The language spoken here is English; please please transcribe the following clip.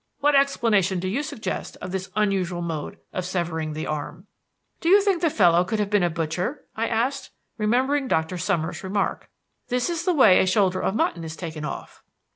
What explanation do you suggest of this unusual mode of severing the arm?" "Do you think the fellow could have been a butcher?" I asked, remembering Dr. Summers' remark. "This is the way a shoulder of mutton is taken off."